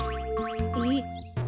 えっ？